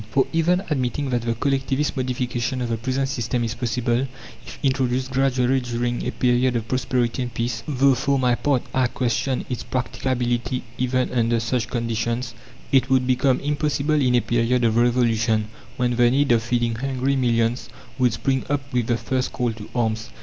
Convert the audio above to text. For even admitting that the Collectivist modification of the present system is possible, if introduced gradually during a period of prosperity and peace though for my part I question its practicability even under such conditions it would become impossible in a period of Revolution, when the need of feeding hungry millions would spring up with the first call to arms.